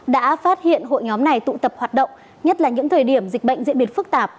đã phát hiện hội nhóm này tụ tập hoạt động nhất là những thời điểm dịch bệnh diễn biến phức tạp